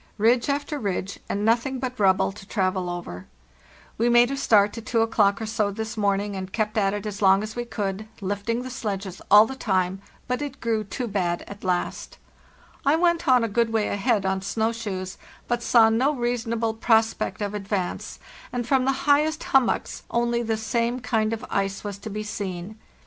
Ridge after ridge, and nothing but rubble to travel over. We made a start at 2 o'clock or so this morning, and kept at it as long as we could, lifting the sledges all the time; but it grew too bad at last. I went on a good way ahead on snow shoes, but saw no reasonable prospect of advance, and from the highest hummocks only the same kind of ice A HARD STRUGGLE 109 "TI WENT ON AHEAD ON SNOW SHOES" was to be seen.